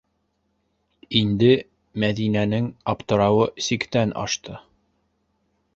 Инде Мәҙинәнең аптырауы сиктән ашты: